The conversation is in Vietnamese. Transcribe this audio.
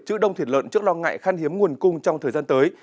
chữ đông thịt lợn trước lo ngại khăn hiếm nguồn cung trong thời gian tới